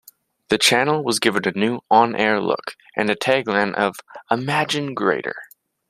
The channel was given a new on-air look and a tagline of "Imagine Greater".